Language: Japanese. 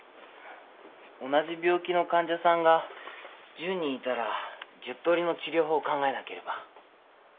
同じ病気の患者さんが１０人いたら１０通りの治療法を考えなければ。